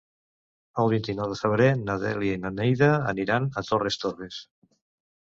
El vint-i-nou de febrer na Dèlia i na Neida aniran a Torres Torres.